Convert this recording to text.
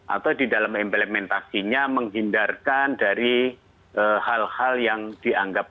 atau di dalam implementasinya menghindarkan dari hal hal yang dianggap